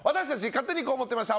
勝手にこう思ってました！